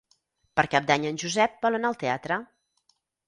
Per Cap d'Any en Josep vol anar al teatre.